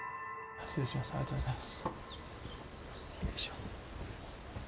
ありがとうございます。